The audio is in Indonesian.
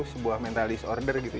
sebuah mental disorder gitu